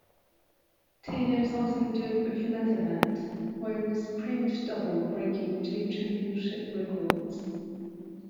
Tinus Osendarp of the Netherlands won a sprint double, breaking two championship records.